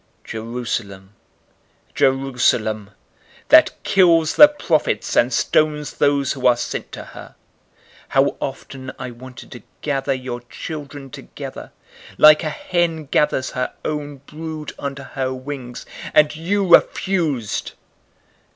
013:034 "Jerusalem, Jerusalem, that kills the prophets, and stones those who are sent to her! How often I wanted to gather your children together, like a hen gathers her own brood under her wings, and you refused!